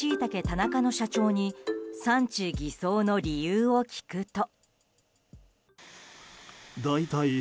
田中の社長に産地偽装の理由を聞くと。